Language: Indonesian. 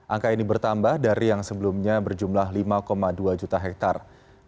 angka ini bertambah dari yang sebelumnya berjumlah lima dua juta hektare